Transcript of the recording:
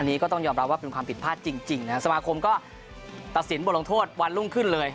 อันนี้ก็ต้องยอมรับว่าเป็นความผิดพลาดจริงนะครับสมาคมก็ตัดสินบทลงโทษวันรุ่งขึ้นเลย